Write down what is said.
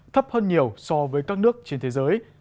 thấp hơn nhiều so với các nước trên thế giới